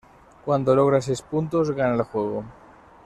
Cuando logra seis puntos, gana el juego.